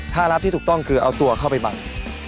ถ้ารับที่ถูกต้องคือเอาตัวเข้าไปบัง